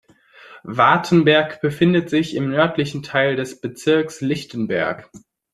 Wartenberg befindet sich im nördlichen Teil des Bezirks Lichtenberg.